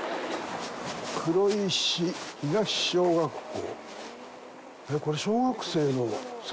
黒石東小学校。